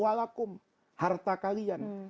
kenapa saya tidak bisa memikirkan hal hal secara baik